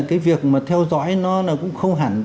cái việc mà theo dõi nó cũng không hẳn